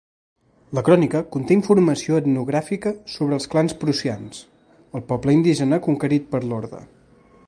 La crònica conté informació etnogràfica sobre els clans prussians, el poble indígena conquerit per l'orde.